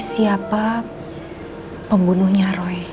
siapa pembunuhnya roy